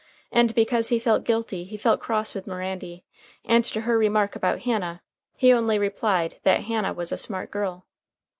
And because he felt guilty he felt cross with Mirandy, and to her remark about Hannah he only replied that "Hannah was a smart girl."